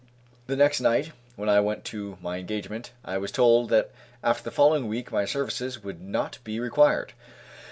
The next night, when I went to my engagement, I was told that after the following week my services would not be required.